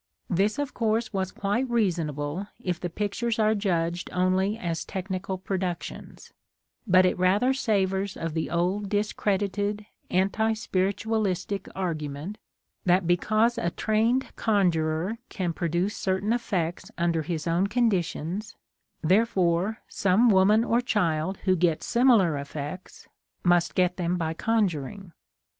This, of course, was quite reasonable if the pictures are judged only as technical productions, but it rather savours of the old discredited anti spiritualistic argument that because a trained conjurer can produce certain effects under his own conditions, therefore some woman or child who gets similar effects must get them by conjuring.